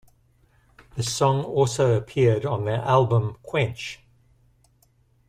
The song also appeared on their album "Quench".